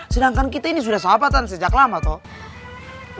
sedangkan kita ini sudah sahabatan sejak lama kok